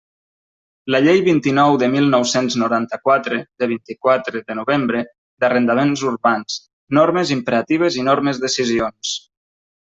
La Llei vint-i-nou de mil nou-cents noranta-quatre, de vint-i-quatre de novembre, d'arrendaments urbans: normes imperatives i normes decisions.